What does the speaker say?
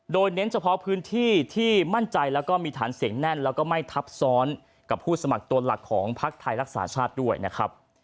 โดยเน้นเฉพาะพื้นที่ที่มั่นใจแล้วก็มีฐานเสียงแน่นแล้วก็ไม่ทับซ้อนกับผู้สมัครตัวหลักของภักดิ์ไทยรักษาชาติด้วยนะครับ